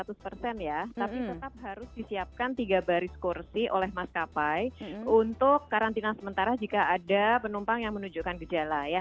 tapi tetap harus disiapkan tiga baris kursi oleh maskapai untuk karantina sementara jika ada penumpang yang menunjukkan gejala ya